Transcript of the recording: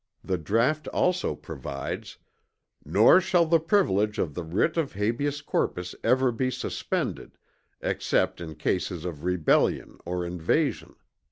The draught also provides, "nor shall the privilege of the writ of habeas corpus ever be suspended, except in cases of rebellion or invasion."